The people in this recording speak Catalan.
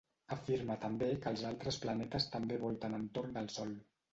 Afirma també que els altres planetes també volten entorn del Sol.